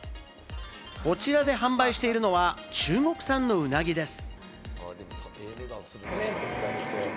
こちらで販売しているのは中国産の鰻です。